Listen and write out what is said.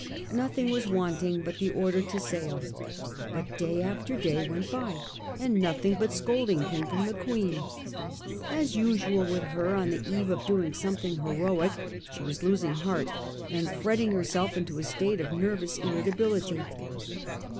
Nothing was wanting but the order to sail ; but day after day went by and nothing but scolding came from the Queen. As usual with her on the eve of doing something heroic, she was losing heart and fretting herself into a state of nervous irritability.